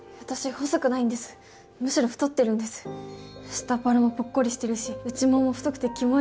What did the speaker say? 下っ腹もぽっこりしてるし内ももも太くてキモいし。